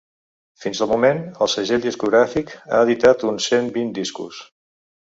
Fins al moment, el segell discogràfic ha editat uns cent vint discos.